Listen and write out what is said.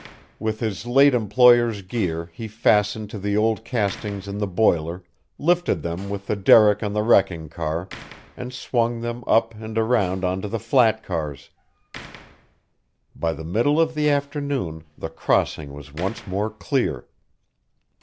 With his late employer's gear he fastened to the old castings and the boiler, lifted them with the derrick on the wrecking car, and swung them up and around onto the flat cars. By the middle of the afternoon the crossing was once more clear.